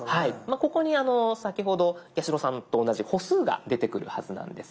ここに先ほど八代さんと同じ歩数が出てくるはずなんです。